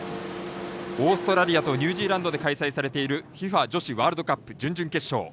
オーストラリアとニュージーランドで開催されているＦＩＦＡ女子ワールドカップ準々決勝。